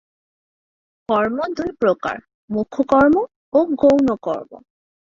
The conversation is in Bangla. কর্ম দুই প্রকার: মুখ্য কর্ম ও গৌণ কর্ম।